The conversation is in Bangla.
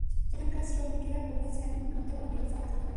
সেখানকার শ্রমিকেরা বলেছেন, গরমের মধ্যে কোনো বিরতি ছাড়াই কাজ করতে হয়।